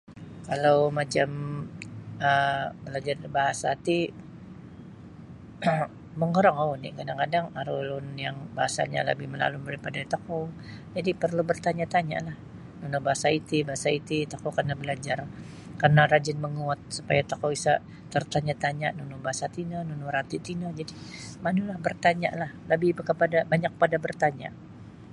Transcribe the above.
Kalau macam um balajar da bahasa ti um mangorongou oni' kadang-kadang aru ulun yang bahasanyo labih malalum daripada tokou jadi' perlu bertanya'-tanya'lah nunu bahasa iti bahasa iti tokou kana' balajar kana' rajin manguwot supaya tokou isa' tertanya'-tanya nunu bahasa tino nunu rati' tino jadi' manulah bertanya'lah lebih kepada banyak kepada bertanya'.